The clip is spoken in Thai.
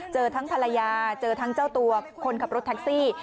เจอทั้งภรรยาเจอทั้งเจ้าตัวคนขับรถแท็กซี่